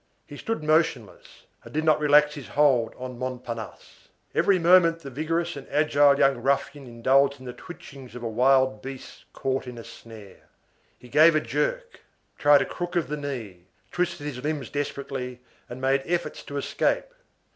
He stood motionless, and did not relax his hold on Montparnasse. Every moment the vigorous and agile young ruffian indulged in the twitchings of a wild beast caught in a snare. He gave a jerk, tried a crook of the knee, twisted his limbs desperately, and made efforts to escape.